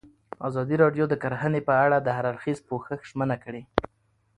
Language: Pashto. ازادي راډیو د کرهنه په اړه د هر اړخیز پوښښ ژمنه کړې.